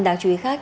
đáng chú ý khác